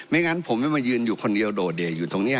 งั้นผมไม่มายืนอยู่คนเดียวโดดเด่อยู่ตรงนี้